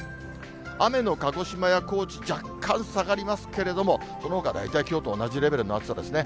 雨の鹿児島や高知、若干下がりますけれども、そのほかは大体きょうと同じレベルの暑さですね。